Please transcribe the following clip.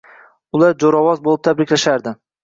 Ular jo’rovoz bo’lib tabriklashardi.